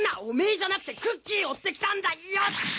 おめーじゃなくてクッキーを追ってきたんだよっ！